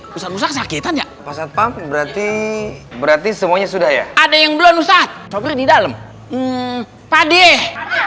berarti berarti semuanya sudah ya ada yang belum saat di dalam padeh